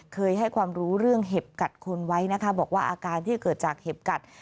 เคยให้ความรู้เรื่องเห็บกัดคนไว้นะคะบอกว่าอาการที่เกิดจากเห็บกัด